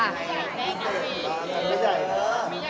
วันเกิดแล้ว